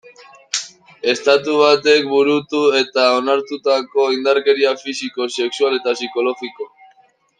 Estatu batek burutu eta onartutako indarkeria fisiko, sexual eta psikologiko.